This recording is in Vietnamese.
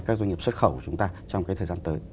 các doanh nghiệp xuất khẩu của chúng ta trong cái thời gian tới